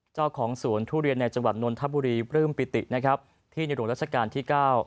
เจ้าของสวนทุเรียนในจังหวัดนนทบุรีปลื้มปิตินะครับที่ในหลวงราชการที่๙